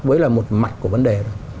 mới là một mặt của vấn đề